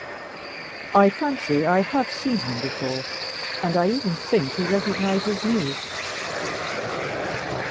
"I fancy I have seen him before; and I even think he recognizes me."